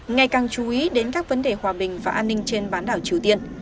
ngày càng chú ý đến các vấn đề hòa bình và an ninh trên bán đảo triều tiên